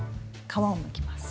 皮をむきます。